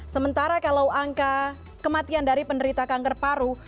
sementara kalau angka kematian dari penderita kanker paru